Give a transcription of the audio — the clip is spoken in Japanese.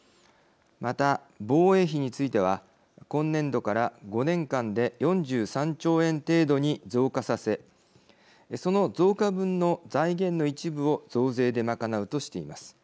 また防衛費については今年度から５年間で４３兆円程度に増加させその増加分の財源の一部を増税で賄うとしています。